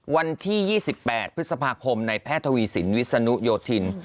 วันที่๒๘พฤษภาคมในแพทย์ทวีสินวิศนุโยธิน